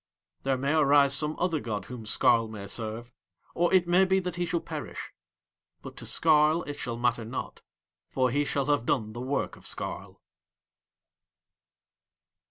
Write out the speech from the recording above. There may arise some other god whom Skarl may serve, or it may be that he shall perish; but to Skarl it shall matter not, for he shall have done the work of Skarl.